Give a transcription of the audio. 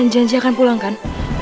kakak beneran janji akan pulang kan